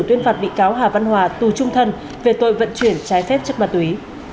gáo hà văn hòa tù trung thân về tội vận chuyển trái phép trước ma túy